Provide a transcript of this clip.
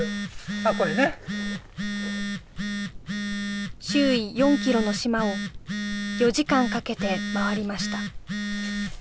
あっこれね周囲４キロの島を４時間かけて回りました